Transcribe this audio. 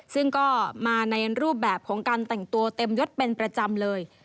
ซึ่งก็มาในรูปแบบของการแต่งตัวเต็มยศเป็นประจำเลย